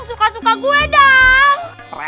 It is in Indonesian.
suka suka gue dang